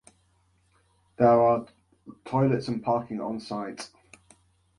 There are toilets and parking onsite.